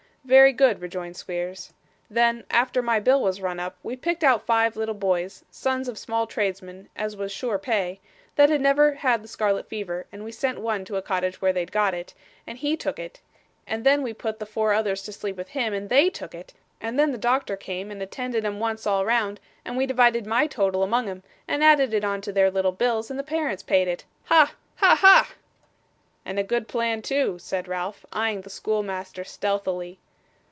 'Very good,' rejoined Squeers. 'Then, after my bill was run up, we picked out five little boys (sons of small tradesmen, as was sure pay) that had never had the scarlet fever, and we sent one to a cottage where they'd got it, and he took it, and then we put the four others to sleep with him, and THEY took it, and then the doctor came and attended 'em once all round, and we divided my total among 'em, and added it on to their little bills, and the parents paid it. Ha! ha! ha!' 'And a good plan too,' said Ralph, eyeing the schoolmaster stealthily.